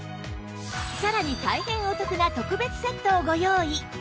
さらに大変お得な特別セットをご用意！